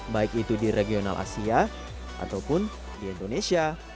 baik itu di regional asia ataupun di indonesia